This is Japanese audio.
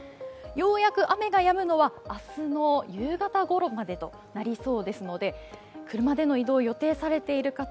ようやく雨がやむのは明日の夕方頃になりそうですので車での移動を予定されている方